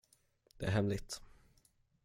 Det är hemligt.